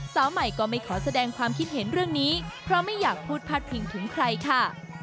สาวใหม่ก็ไม่ขอแสดงความคิดเห็นเรื่องนี้เพราะไม่อยากพูดพาดพิงถึงใครค่ะ